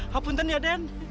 ha punten ya den